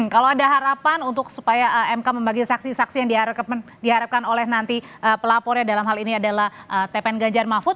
kalau ada harapan untuk supaya mk membagi saksi saksi yang diharapkan oleh nanti pelapornya dalam hal ini adalah tpn ganjar mahfud